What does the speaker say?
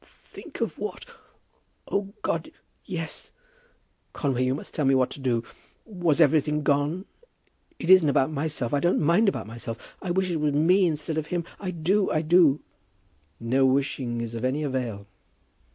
"Think of what! O God! yes. Conway, you must tell me what to do. Was everything gone? It isn't about myself. I don't mind about myself. I wish it was me instead of him. I do. I do." "No wishing is of any avail."